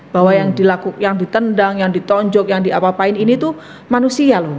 bahwa yang ditendang yang ditonjok yang diapa apain ini tuh manusia loh